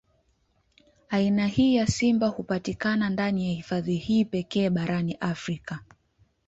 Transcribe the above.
Aina hii ya simba hupatikana ndani ya hifadhi hii pekee barani Afrika.